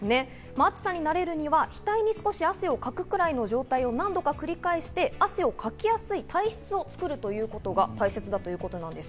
暑さに慣れるには額に少し汗をかくくらいの状態を何度か繰り返して、汗をかきやすい体質を作るということがいいそうです。